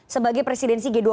sebagai presidensi g dua puluh